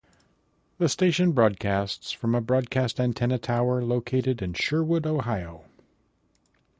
The station broadcasts from a broadcast antenna tower located in Sherwood, Ohio.